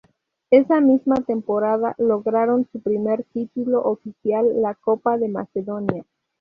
Esa misma temporada lograron su primer título oficial, la Copa de Macedonia.